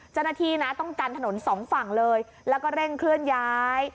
เจ้าหน้าที่นะต้องกันถนนสองฝั่งเลยแล้วก็เร่งเคลื่อนย้าย